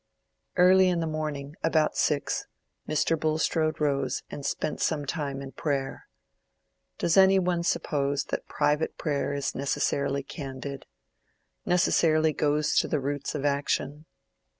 Early in the morning—about six—Mr. Bulstrode rose and spent some time in prayer. Does any one suppose that private prayer is necessarily candid—necessarily goes to the roots of action?